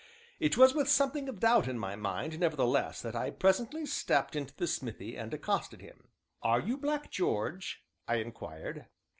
It was with something of doubt in my mind, nevertheless, that I presently stepped into the smithy and accosted him. "Are you Black George?" I inquired.